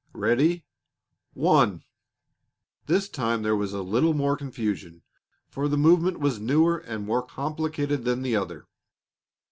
Ready? One!" This time there was a little more confusion, for the movement was newer and more complicated than the other.